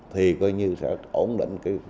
thì coi như sẽ ổn định